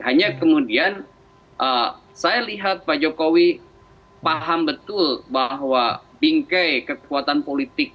hanya kemudian saya lihat pak jokowi paham betul bahwa bingkai kekuatan politik